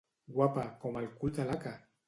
Guapa, com el cul de l'haca!